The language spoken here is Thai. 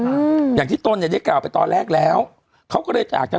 อืมอย่างที่ตนเนี้ยได้กล่าวไปตอนแรกแล้วเขาก็เลยอาจจะ